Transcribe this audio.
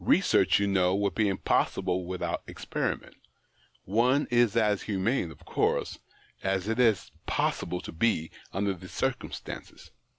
Research, you know, would be impossible without experiment ; one is as humane, of course, as it is possible to be under the circumstances.